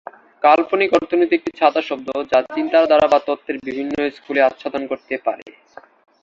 কাল্পনিক অর্থনীতি একটি ছাতা শব্দ যা চিন্তাধারা বা তত্ত্বের বিভিন্ন স্কুলে আচ্ছাদন করতে পারে।